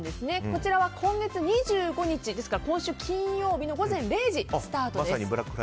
こちらは今月２５日ですから今週金曜日の午前０時スタートです。